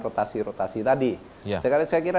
rotasi rotasi tadi saya kira